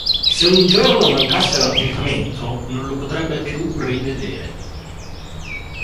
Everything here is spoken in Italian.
Se un giorno mancasse all'uppuntamento non lo potrebbe più rivedere.